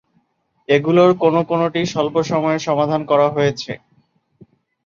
এগুলোর কোন কোনটি স্বল্প সময়ে সমাধান করা হয়েছে।